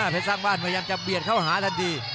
สร้างบ้านพยายามจะเบียดเข้าหาทันที